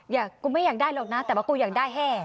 กูไม่อยากได้หรอกนะแต่ว่ากูอยากได้แห้